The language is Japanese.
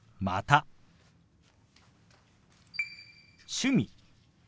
「趣味」。